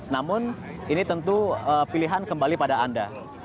namun ini tentu pilihan kembali pada anda